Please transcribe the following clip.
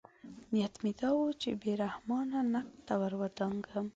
نیت مې دا و چې بې رحمانه نقد ته ورودانګم.